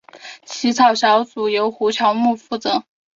起草小组由胡乔木负责。